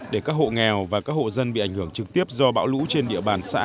để các hộ nghèo và các hộ dân bị ảnh hưởng trực tiếp do bão lũ trên địa bàn xã